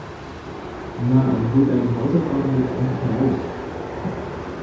Na, dann hol deine Hausaufgaben jetzt endlich raus.